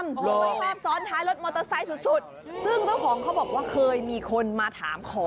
เขาชอบซ้อนท้ายรถมอเตอร์ไซต์สุด